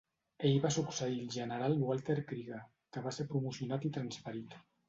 Ell va succeir al general Walter Krueger, que va ser promocionat i transferit.